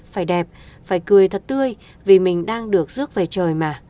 phải đẹp phải cười thật tươi